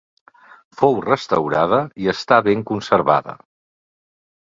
Fou restaurada i està ben conservada.